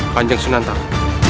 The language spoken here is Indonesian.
kanjeng sunan tahu